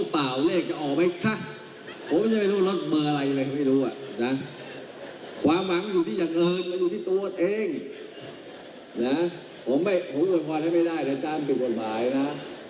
ผมหล่นความให้ไม่ได้แต่ต้านเป็นบทหายนะ